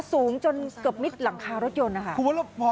สูงจนเกือบมิดหลังคารถยนต์นะคะ